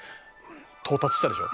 「到達したでしょ？」